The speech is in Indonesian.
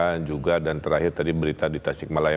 kita juga dan terakhir tadi berita di tasikmalaya